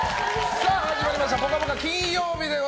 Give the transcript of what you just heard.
さあ始まりました「ぽかぽか」、金曜日です。